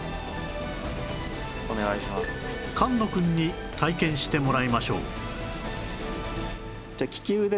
菅野くんに体験してもらいましょう